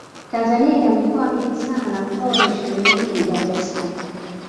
Tanzania ina mikoa mingi sana na mkoa wenye shughuli nyingi ni Dar es salaam